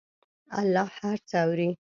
الله هر څه اوري.